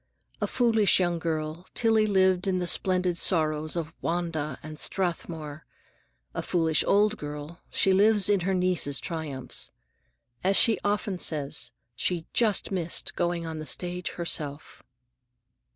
A foolish young girl, Tillie lived in the splendid sorrows of "Wanda" and "Strathmore"; a foolish old girl, she lives in her niece's triumphs. As she often says, she just missed going on the stage herself.